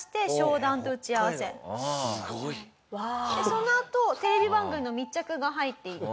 そのあとテレビ番組の密着が入っていて。